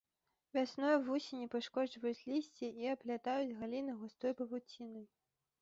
Вясной вусені пашкоджваюць лісце і аплятаюць галіны густой павуцінай.